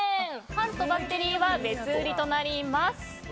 ファンとバッテリーは別売りとなります。